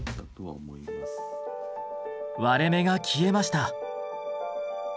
割れ目が消えました。